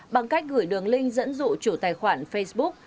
bằng cách gửi đường link dẫn dụ chủ tài khoản facebook